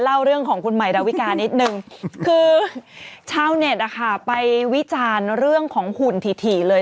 เล่าเรื่องของคุณใหม่ดาวิกานิดนึงคือชาวเน็ตนะคะไปวิจารณ์เรื่องของหุ่นถี่เลย